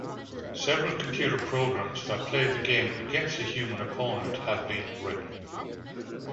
Several computer programs that play the game against a human opponent have been written.